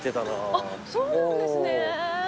そうなんですね。